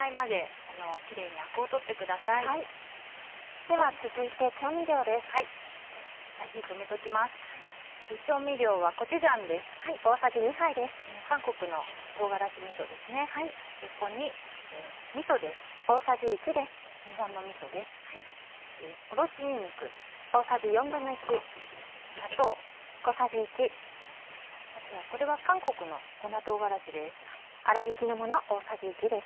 あとはこれは韓国の粉唐辛子です。